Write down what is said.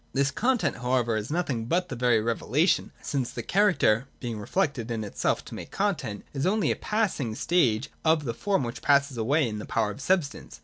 This content however is nothing but that very revelation, since the character (being reflected in itself to make content) is only a passing stage of the form which passes away in the power of substance.